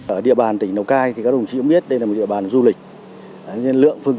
ở địa bàn tỉnh lào cai thì các đồng chí cũng biết đây là một địa bàn du lịch